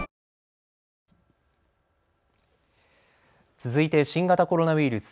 続いて新型コロナウイルス。